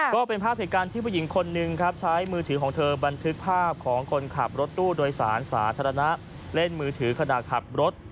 ก็เป็นภาพเหตุการณ์ที่ผู้หญิงคนนึงครับใช้มือถือของเธอบันทึกภาพของคนขับรถตู้โดยสารสาธารณะเล่นมือถือขณะขับรถ